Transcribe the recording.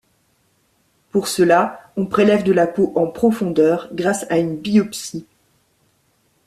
Pour cela, on prélève de la peau en profondeur grâce à une biopsie.